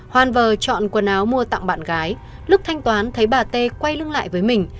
hoan vờ chọn quần áo mua tặng bạn gái lúc thanh toán thấy bà t quay lưng lại với mình